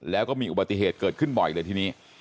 แล้วก็มีอุบัติเหตุเกิดขึ้นบ่อยเลยทีนี้